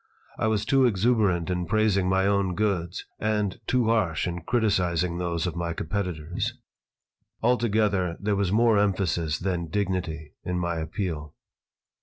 I was too exuberant in praising my own goods and too harsh in criticising those of my competitors. Altogether there was more emphasis than dignity in my appeal.